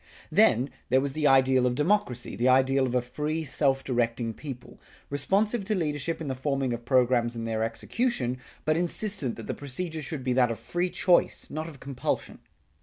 Then, there was the ideal of democracy, the ideal of a free self directing people, responsive to leadership in the forming of programs and their execution, but insistent that the procedure should be that of free choice, not of compulsion.